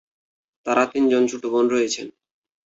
তার তিনজন ছোট বোন রয়েছেন।